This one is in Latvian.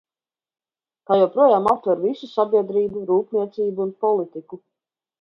Tā joprojām aptver visu sabiedrību, rūpniecību un politiku.